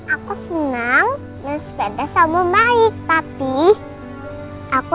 aku senang main sepeda sama om baik